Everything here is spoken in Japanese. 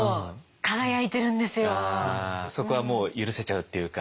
そこはもう許せちゃうっていうか。